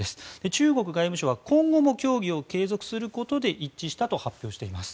中国外務省は今後も協議を継続することで一致したと発表しています。